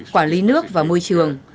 quản lý nước và môi trường